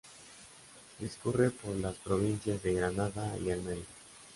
Discurre por las provincias de Granada y Almería.